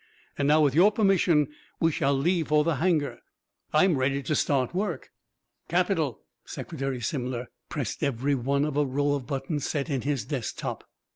"And now, with your permission, we shall leave for the hangar. I'm ready to start work." "Capital!" Secretary Simler pressed every one of a row of buttons set in his desk top.